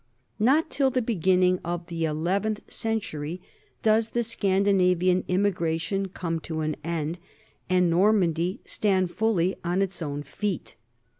Not till the beginning of the eleventh cen tury does the Scandinavian immigration come to an end and Normandy stand fully on its own feet.